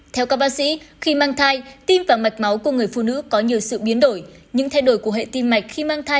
theo các bác sĩ khi mang thai tim và mạch máu của người phụ nữ có nhiều sự biến đổi